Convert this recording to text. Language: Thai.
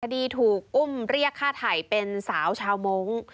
คดีถูกอุ้มเรียกฆ่าไถ่เป็นสาวชาวมงค์